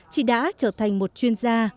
chị đã trở thành một chuyên gia